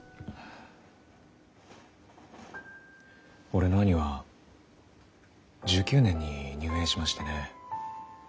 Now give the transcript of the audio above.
俺の兄は１９年に入営しましてね。